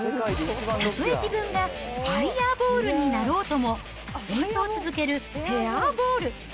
たとえ自分がファイヤーボールになろうとも、演奏を続けるヘアボール。